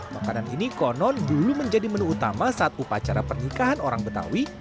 makanan ini konon dulu menjadi menu utama saat upacara pernikahan orang betawi